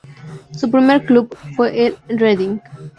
Su primer club fue el Reading.